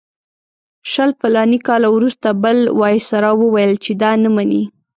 شل فلاني کاله وروسته بل وایسرا وویل چې دا نه مني.